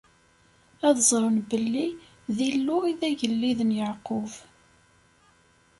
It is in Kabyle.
Ad ẓren belli d Illu i d agellid n Yeɛqub.